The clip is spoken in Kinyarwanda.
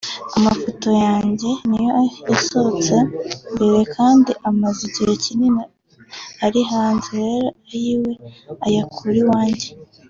amafoto yanjye niyo yasohotse mbere kandi amaze igihe kinini ari hanze rero ayiwe ayukura iwanjye